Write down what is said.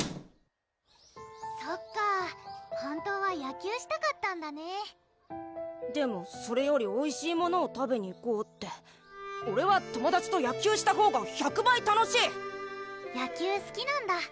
そっか本当は野球したかったんだねでもそれよりおいしいものを食べに行こうってオレは友達と野球したほうが１００倍楽しい野球すきなんだ？